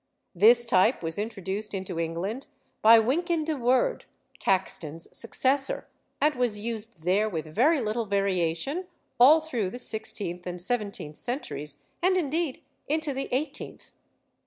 This type was introduced into England by Wynkyn de Worde, Caxton's successor, and was used there with very little variation all through the sixteenth and seventeenth centuries, and indeed into the eighteenth.